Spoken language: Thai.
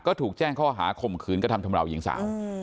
ก็ถูกแจ้งข้อหาข่มขืนกระทำชำราวหญิงสาว